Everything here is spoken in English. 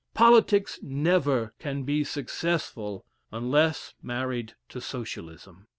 Politics never can be successful unless married to Socialism.